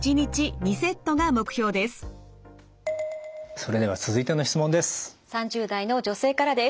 それでは続いての質問です。